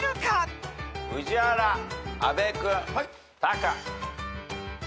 宇治原阿部君タカ。